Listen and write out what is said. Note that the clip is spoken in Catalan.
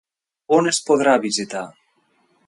On es podrà visitar?